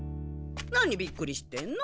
なにびっくりしてんの？